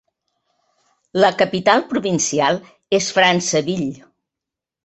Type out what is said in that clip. La capital provincial és Franceville.